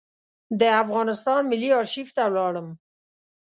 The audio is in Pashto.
د افغانستان ملي آرشیف ته ولاړم.